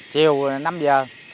chiều là năm giờ